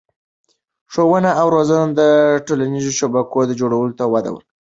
ښوونه او روزنه د ټولنیزو شبکو جوړولو ته وده ورکوي.